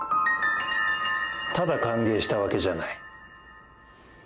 ただ歓迎したわけじゃない。